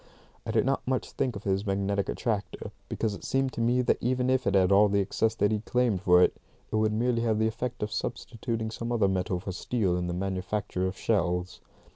I did not think much of his magnetic attractor, because it seemed to me that even if it had all the success that he claimed for it, it would merely have the effect of substituting some other metal for steel in the manufacture of shells.